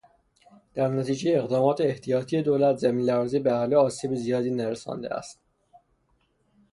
در نتیجهٔ اقدامات احتیاطی دولت؛ زمین لرزه به اهالی آسیب زیادی نرسانده است.